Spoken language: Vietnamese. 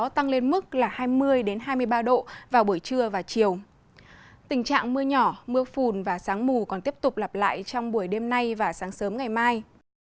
tình trạng mưa nhỏ mưa phùn và sáng mù còn tiếp tục lặp lại trong buổi đêm nay và sáng sớm ngày mai